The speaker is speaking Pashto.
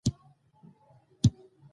غوړ لرونکي خواړه لږ وخورئ.